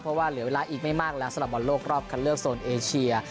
เพราะว่าเหลือเวลาอีกไม่มากแล้วสำหรับบอลโลกรอบคันเลือกโซนเอเชีย